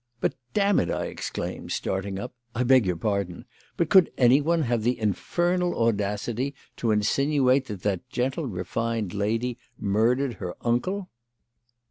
"But, damn it!" I exclaimed, starting up "I beg your pardon but could anyone have the infernal audacity to insinuate that that gentle, refined lady murdered her uncle?"